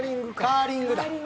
カーリング。